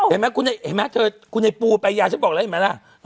เห็นมั้ยเธอคุณไอ้ปูปายหญาจะบอกเลยเหมือนไหมล่ะ